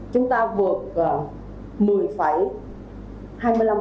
chúng ta vượt một mươi triệu đồng